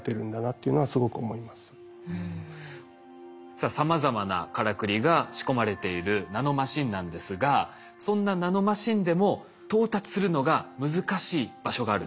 さあさまざまなからくりが仕込まれているナノマシンなんですがそんなナノマシンでも到達するのが難しい場所があるんです。